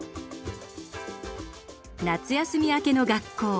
夏休み明けの学校。